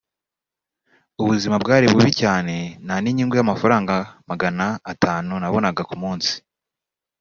Ubuzima bwari bubi cyane nta n’inyungu y’amafaranga magana atanu nabonaga ku munsi